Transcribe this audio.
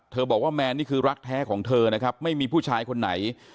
บอกว่าแมนนี่คือรักแท้ของเธอนะครับไม่มีผู้ชายคนไหน